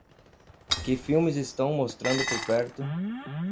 Que filmes estão mostrando por perto